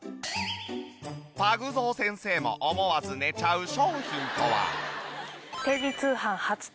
パグゾウ先生も思わず寝ちゃう商品とは？